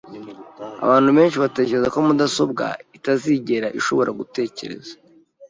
Abantu benshi batekereza ko mudasobwa itazigera ishobora gutekereza.